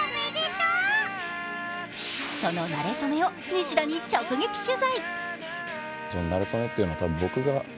そのなれ初めを西田に直撃取材。